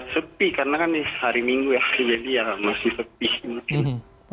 sepi karena kan hari minggu ya jadi ya masih sepi mungkin